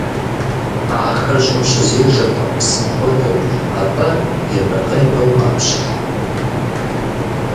Ахэр щӀым щызежэркъым, псым хуэдэу, атӀэ небэкъебэу къапщыхь.